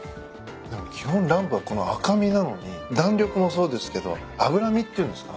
基本ランプはこの赤身なのに弾力もそうですけど脂身っていうんですか？